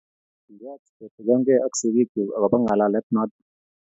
kiyach ketigongee ak sigikchu akobo ngalalet noto